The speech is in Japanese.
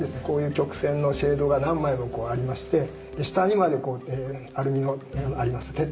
こういう曲線のシェードが何枚もありまして下にまでアルミがあります。